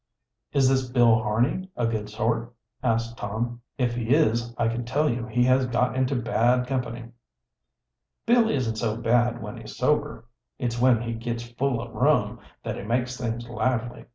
"Is this Bill Harney a good sort?" asked Tom. "If he is, I can tell you he has got into bad company." "Bill isn't so bad when he's sober. It's when he gits full o' rum that he makes things lively.